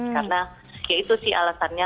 karena ya itu sih alasannya